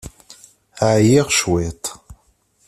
Ɛyiɣ cwiṭ.